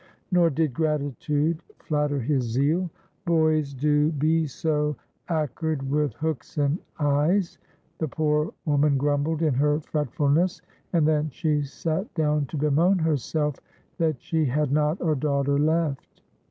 Nor did gratitude flatter his zeal. "Boys do be so ackered with hooks and eyes," the poor woman grumbled in her fretfulness, and then she sat down to bemoan herself that she had not a daughter left.